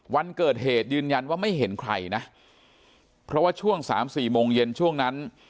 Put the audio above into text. วันเกิดเหตุยืนยันว่าไม่เห็นใครนะเพราะว่าช่วงสามสี่โมงเย็นช่วงนั้น